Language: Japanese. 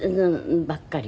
ばっかり。